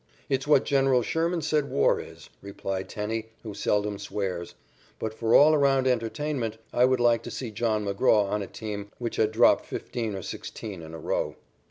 "It's what General Sherman said war is," replied Tenney, who seldom swears. "But for all around entertainment I would like to see John McGraw on a team which had dropped fifteen or sixteen in a row."